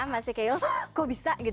masih kayak kok bisa